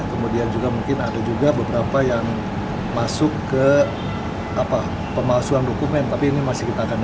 kemudian juga mungkin ada juga beberapa yang masuk ke pemalsuan dokumen tapi ini masih kita akan